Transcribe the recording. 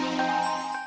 aku akan lakukan